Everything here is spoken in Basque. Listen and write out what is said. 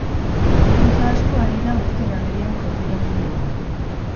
Gauza asko ari da uzten agerian konfinamendu hau.